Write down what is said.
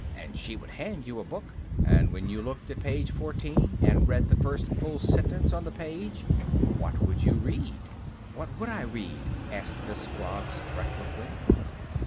And she would hand you a book, and when you looked at page fourteen, and read the first full sentence on the page, what would you read?" "What would I read?" asked Miss Scroggs breathlessly.